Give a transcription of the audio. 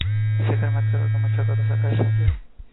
فکر مت کرو تم مجھ پر بھروسہ کر سکتے ہو